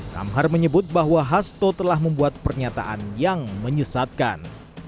kamhar menyebut bahwa hasto telah membuat pernyataan yang menyesatkan